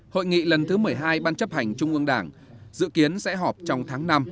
hội nghị lần thứ một mươi hai ban chấp hành trung ương đảng dự kiến sẽ họp trong tháng năm